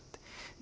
で